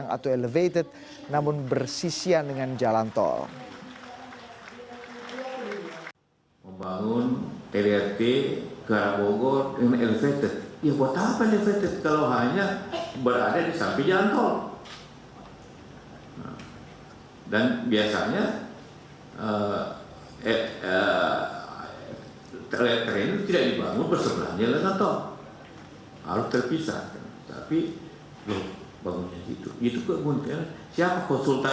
kalau dihitungnya sebanyak